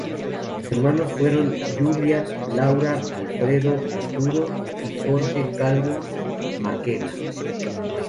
Sus hermanos fueron Julia, Laura, Alfredo, Arturo y Jorge Calvo Mackenna.